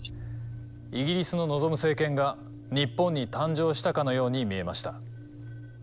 イギリスの望む政権が日本に誕生したかのように見えました。